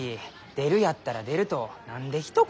出るやったら出ると何でひと言。